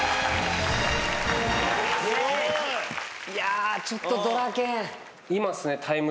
・いやちょっとドラケン。